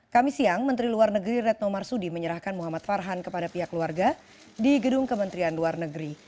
kami siang menteri luar negeri retno marsudi menyerahkan muhammad farhan kepada pihak keluarga di gedung kementerian luar negeri